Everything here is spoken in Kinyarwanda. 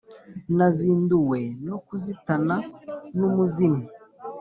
nazinduwe no kuzitana n'umuzimyi